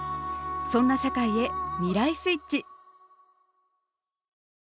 そんな社会へ「未来スイッチ」。